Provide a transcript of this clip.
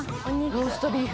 ローストビーフ。